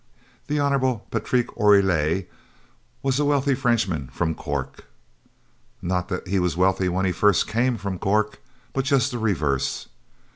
The Hon. Patrique Oreille was a wealthy Frenchman from Cork. Not that he was wealthy when he first came from Cork, but just the reverse.